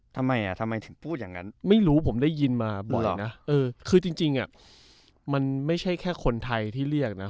ทำไมอ่ะทำไมถึงพูดอย่างนั้นไม่รู้ผมได้ยินมาบ่อยนะเออคือจริงมันไม่ใช่แค่คนไทยที่เรียกนะ